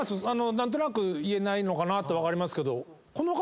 何となく言えないのかなって分かりますけど。